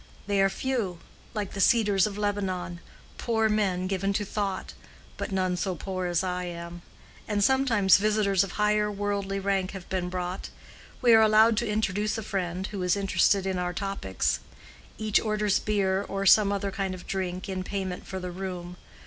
They are few—like the cedars of Lebanon—poor men given to thought. But none so poor as I am: and sometimes visitors of higher worldly rank have been brought. We are allowed to introduce a friend, who is interested in our topics. Each orders beer or some other kind of drink, in payment for the room.